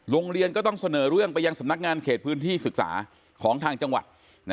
โรงเรียนก็ต้องเสนอเรื่องไปยังสำนักงานเขตพื้นที่ศึกษาของทางจังหวัด